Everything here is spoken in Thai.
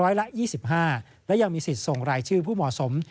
ละ๒๕และยังมีสิทธิ์ส่งรายชื่อผู้เหมาะสม